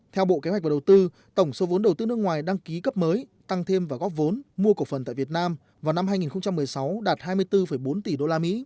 theo bộ kế hoạch và đầu tư tổng số vốn đầu tư nước ngoài đăng ký cấp mới tăng thêm và góp vốn mua cổ phần tại việt nam vào năm hai nghìn một mươi sáu đạt hai mươi bốn bốn tỷ usd